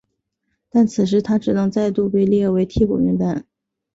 但此时他只能再度被列入替补名单。